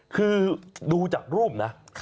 คือดูจากรูปนะ